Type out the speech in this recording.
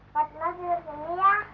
fatima tidur sini ya